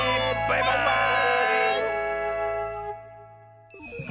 バイバーイ！